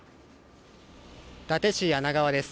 伊達市梁川です。